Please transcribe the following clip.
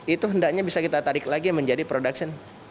itu hendaknya bisa kita tarik lagi menjadi production